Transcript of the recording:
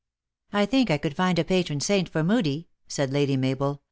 U I think I could find a patron saint for Moodie," said Lady Mabel.